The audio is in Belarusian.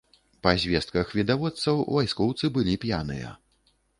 Па звестках відавочцаў, вайскоўцы былі п'яныя.